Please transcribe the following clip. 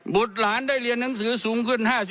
หลานได้เรียนหนังสือสูงขึ้น๕๐